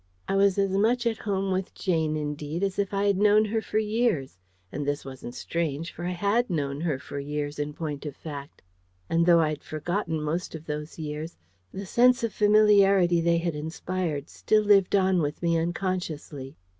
I was as much at home with Jane, indeed, as if I had known her for years. And this wasn't strange; for I HAD known her for years, in point of fact; and and though I'd forgotten most of those years, the sense of familiarity they had inspired still lived on with me unconsciously.